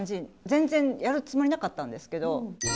全然やるつもりなかったんですけど。